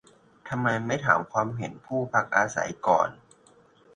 ทำไมไม่ถามความคิดเห็นผู้พักอาศัยก่อน